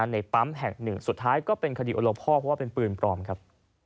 ในปั๊มแห่งหนึ่งสุดท้ายก็เป็นคดีโอโลพ่อเพราะว่าเป็นปืนปลอมครับ